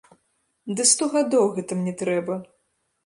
Ды сто гадоў гэта мне трэба!